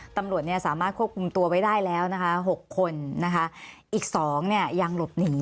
ตำรวจเนี่ยสามารถควบคุมตัวไว้ได้แล้วนะคะหกคนนะคะอีกสองเนี่ยยังหลบหนี